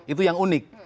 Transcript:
itu yang unik